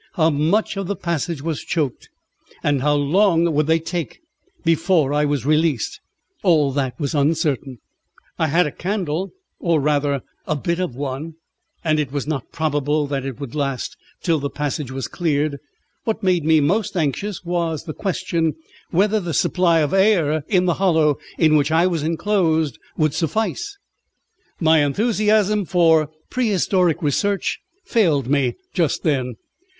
How much of the passage was choked, and how long would they take before I was released? All that was uncertain. I had a candle, or, rather, a bit of one, and it was not probable that it would last till the passage was cleared. What made me most anxious was the question whether the supply of air in the hollow in which I was enclosed would suffice. My enthusiasm for prehistoric research failed me just then.